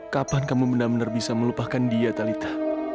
kapan kamu benar benar bisa melupakan dia talitha